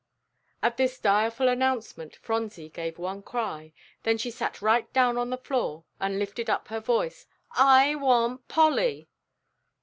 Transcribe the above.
At this direful announcement Phronsie gave one cry, then she sat right down on the floor and lifted up her voice, "I want Polly!"